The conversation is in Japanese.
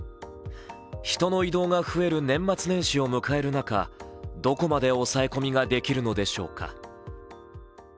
人の移動が増える年末年始を迎える中どこまで抑え込みができるのでしょうか。